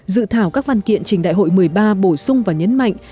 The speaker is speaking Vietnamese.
dự thảo các văn kiện trình đại hội một mươi ba bổ sung và nhấn mạnh